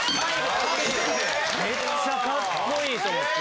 ・めちゃカッコいいと思って。